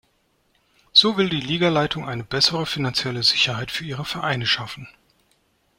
So will die Liga-Leitung eine bessere finanzielle Sicherheit für ihre Vereine schaffen.